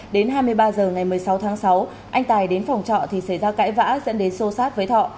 đến hai mươi ba h ngày một mươi sáu tháng sáu anh tài đến phòng trọ thì xảy ra cãi vã dẫn đến xô sát với thọ